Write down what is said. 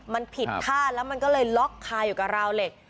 มันผิดท่าแล้วมันก็เลยล็อกคาอยู่กับราวเหล็ก